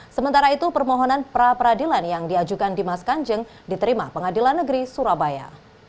sementara itu permohonan pra peradilan yang diajukan dimas kanjeng diterima pengadilan negeri surabaya